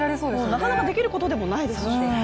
なかなかできることでもないですよね。